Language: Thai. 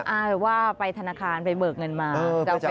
หรือว่าไปธนาคารไปเบิกเงินมาเออไปใช้จ่าย